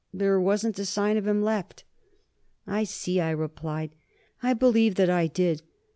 There wasn't a sign of him left." "I see," I replied. I believe that I did.